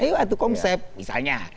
ayo aduk konsep misalnya